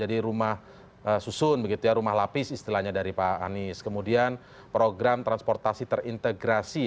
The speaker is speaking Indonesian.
ini juga yang terkait dengan program transportasi terintegrasi